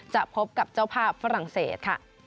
จะพบกับเจ้าภาพฝรั่งเศสค่ะ